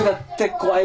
怖い。